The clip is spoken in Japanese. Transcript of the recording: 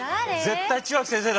絶対血脇先生だ！